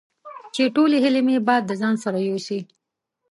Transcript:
چې ټولې هیلې مې باد د ځان سره یوسي